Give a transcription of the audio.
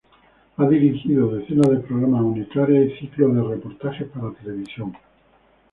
Ha dirigido decenas de programas unitarios y ciclos de reportajes para televisión.